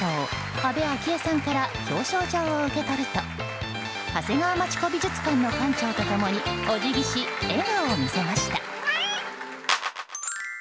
安倍昭恵さんから表彰状を受け取ると長谷川町子美術館の館長と共にお辞儀し、笑顔を見せました。